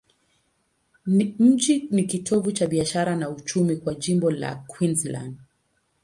Mji ni kitovu cha biashara na uchumi kwa jimbo la Queensland.